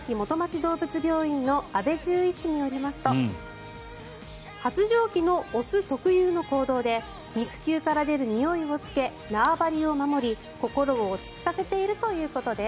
どうぶつ病院の阿部獣医師によりますと発情期の雄特有の行動で肉球から出るにおいをつけ縄張りを守り心を落ち着かせているということです。